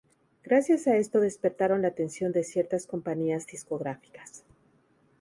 Gracias a esto despertaron la atención de ciertas compañías discográficas.